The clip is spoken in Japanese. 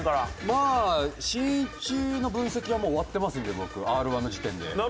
まあしんいちの分析はもう終わってますんで僕Ｒ−１の時点で。